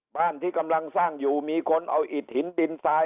บ้านที่กำลังสร้างอยู่มีคนเอาอิดหินดินทราย